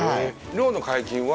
漁の解禁は？